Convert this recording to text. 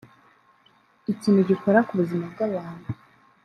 ikintu gikora ku buzima bw’abantu